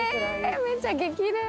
めっちゃ激レア。